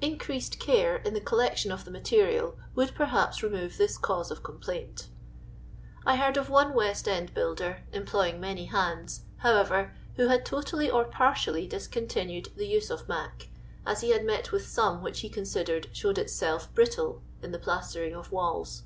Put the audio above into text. Increased care in the collection of the material would, perhaps, remove this cause of complaint I heard of one \Yest end builder, employing many hands, however, who bad totally or partially discontinued the use of " mac," as he had met with some which he considered showed itself bnttU in the plastering of walls.